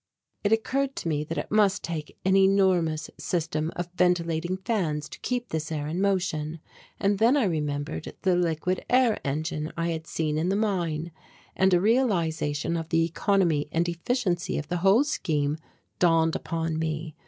It occurred to me that it must take an enormous system of ventilating fans to keep this air in motion, and then I remembered the liquid air engine I had seen in the mine, and a realization of the economy and efficiency of the whole scheme dawned upon me.